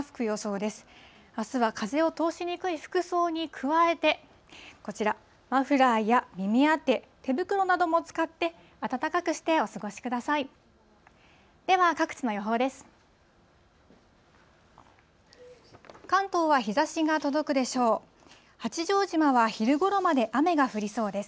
では、各地の予報です。